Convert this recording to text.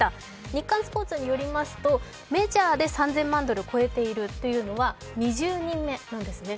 「日刊スポーツ」によりますと、メジャーで３０００万ドルを超えているのは２０人目なんですね。